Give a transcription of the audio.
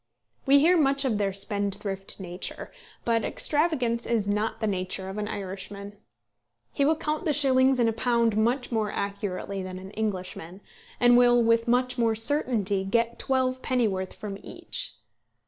We hear much of their spendthrift nature; but extravagance is not the nature of an Irishman. He will count the shillings in a pound much more accurately than an Englishman, and will with much more certainty get twelve pennyworth from each.